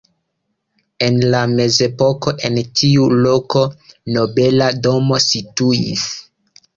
En la mezepoko en tiu loko nobela domo situis.